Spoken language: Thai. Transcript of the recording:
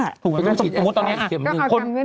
ถูกไหมสมมุติตอนนี้อ่ะ